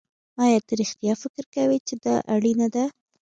ایا ته رښتیا فکر کوې چې دا اړینه ده